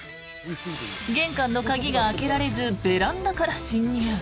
玄関の鍵が開けられずベランダから侵入。